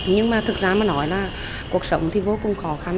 nhưng mà thực ra mà nói là cuộc sống thì vô cùng khó khăn